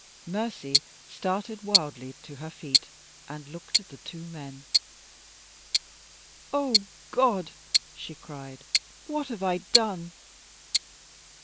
Mercy started wildly to her feet, and looked at the two men. "O God" she cried, "what have I done!"